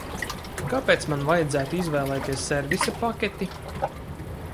Kāpēc man vajadzētu izvēlēties servisa paketi?